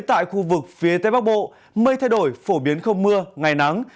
tại khu vực phía tây bắc bộ mây thay đổi phổ biến không mưa ngày nắng